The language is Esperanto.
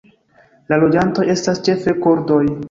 La loĝantoj estas ĉefe kurdoj.